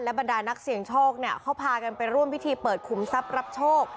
บรรดานักเสี่ยงโชคเนี่ยเขาพากันไปร่วมพิธีเปิดขุมทรัพย์รับโชค